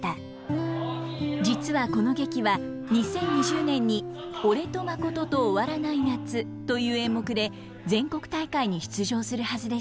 実はこの劇は２０２０年に「俺とマコトと終わらない夏」という演目で全国大会に出場するはずでした。